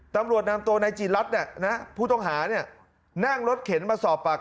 ตำรวจนำตัวนายจีรัฐผู้ต้องหานั่งรถเข็นมาสอบปากคำ